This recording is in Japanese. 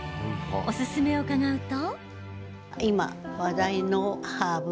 おすすめを伺うと。